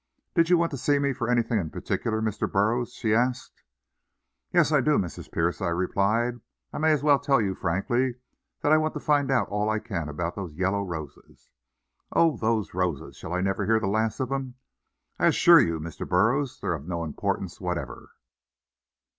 "Did you want to see me for anything in particular, Mr. Burroughs?" she asked. "Yes, I do, Mrs. Pierce," I replied; "I may as well tell you frankly that I want to find out all I can about those yellow roses." "Oh, those roses! Shall I never hear the last of them? I assure you, Mr. Burroughs, they're of no importance whatever."